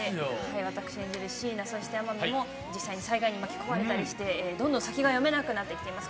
私演じる椎名そして天海も実際に災害に巻き込まれたりしてどんどん先が読めなくなってきています